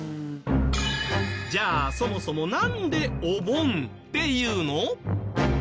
じゃあそもそもなんでお盆って言うの？